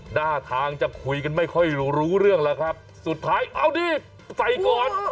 หน้าทางจะคุยกันไม่ค่อยรู้เรื่องแล้วครับสุดท้ายเอาดิใส่ก่อน